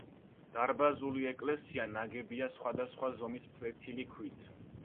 დარბაზული ეკლესია ნაგებია სხვადასხვა ზომის ფლეთილი ქვით.